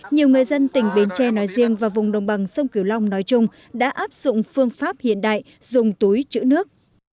nhiều người dân tỉnh bến tre nói riêng và vùng đồng bằng sông kiều long nói chung đã áp dụng phương pháp hiện đại dùng túi chữ nước